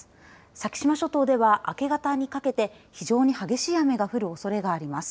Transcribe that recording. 先島諸島では明け方にかけて非常に激しい雨が降るおそれがあります。